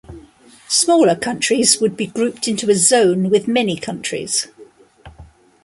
Smaller countries would be grouped into a zone with many countries.